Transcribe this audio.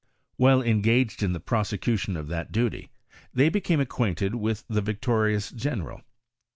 While engaged in the prosecution of that duty, they bft came acquainted with the victorious general.